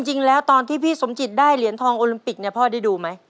จริงแล้วตอนที่พี่สมจิตได้เหรียญทองโอลิมปิกเนี่ยพ่อได้ดูไหม